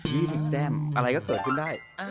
๒๐แต้มอะไรก็เกิดขึ้นได้